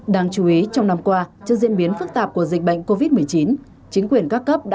đáng chú ý trong năm qua trước diễn biến phức tạp của dịch bệnh covid một mươi chín